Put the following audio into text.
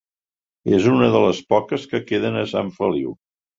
És una de les poques que queden a Sant Feliu.